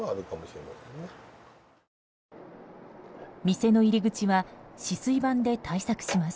店の入り口は止水板で対策します。